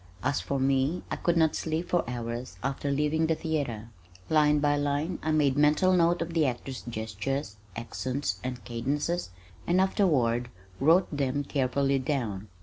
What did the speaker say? As for me I could not sleep for hours after leaving the theater. Line by line I made mental note of the actor's gestures, accents, and cadences and afterward wrote them carefully down.